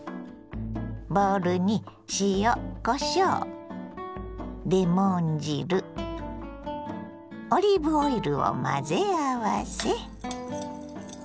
ボウルに塩こしょうレモン汁オリーブオイルを混ぜ合わせ。